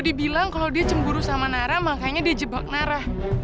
dia bilang kalau dia cemburu sama nara makanya dia jebak narah